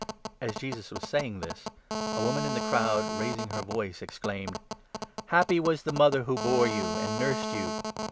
As Jesus was saying this, a woman in the crowd, raising her 27 / voice, exclaimed :" Happy was the mother who bore you and nursed you